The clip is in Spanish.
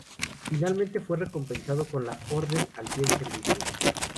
Finalmente, fue recompensado con la "Orden al Fiel Servicio".